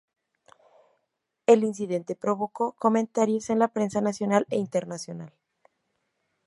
El incidente provocó comentarios en la prensa nacional e internacional.